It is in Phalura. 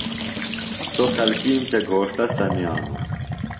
سوۡ خلکیم تھےۡ گھوݜٹہ سمِیانوۡ۔